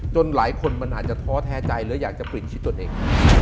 จนหลายคนมันอาจจะท้อแท้ใจหรืออยากจะปิดชีวิตตนเอง